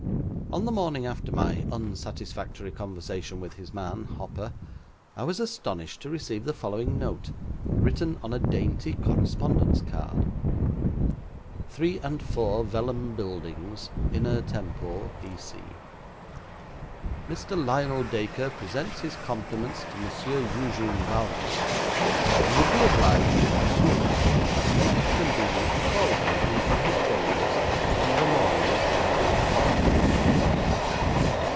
On the morning after my unsatisfactory conversation with his man Hopper, I was astonished to receive the following note, written on a dainty correspondence card: '3 and 4 Vellum Buildings, 'Inner Temple, E.C. 'Mr. Lionel Dacre presents his compliments to Monsieur Eugène Valmont, and would be obliged if Monsieur Valmont could make it convenient to call upon him in his chambers tomorrow morning at eleven.'